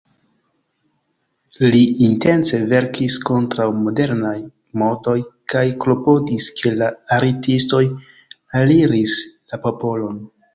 Li intence verkis kontraŭ modernaj modoj kaj klopodis ke la artistoj aliris la popolon.